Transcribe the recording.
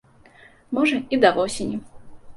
Можа, і да восені.